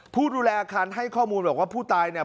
ผู้ดูแลอาคารให้ข้อมูลบอกว่าผู้ตายเนี่ย